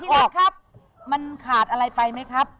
รัฐครับมันขาดอะไรไปไหมครับ